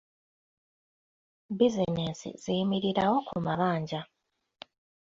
Bizinensi ziyimirirawo ku mabanja.